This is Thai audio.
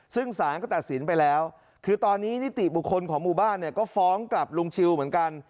ซึ่งสารก็ตัดสินไปแล้วคือตอนนี้นิติบุคคลของหมู่บ้านเนี่ยก็ฟ้องกลับลุงชิวเหมือนกัน